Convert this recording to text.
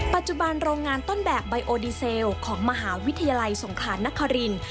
ปัจจุบันโรงงานต้นแบบไบโอดีเซลของมหาวิทยาลัยสงขานนคริน